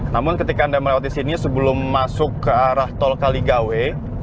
namun ketika anda melewati sini sebelum masuk ke arah tol kaligawe